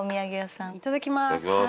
いただきます。